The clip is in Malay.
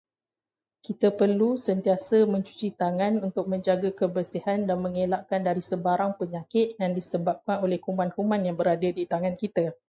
Kita perlu sentiasa mencuci tangan untuk menjaga kebersihan dan mengelakkan dari sebarang penyakit yang disebabkan oleh kuman-kuman yang berada di tangan kita.